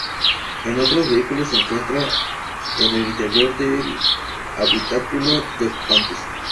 En otros vehículos se encuentra en el interior del habitáculo de ocupantes.